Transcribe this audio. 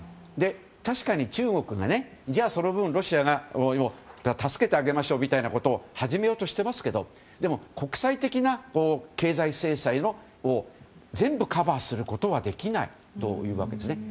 確かに中国がじゃあ、その分ロシアを助けてあげましょうということを始めようとしてますけどでも、国際的な経済制裁を全部カバーすることはできないわけです。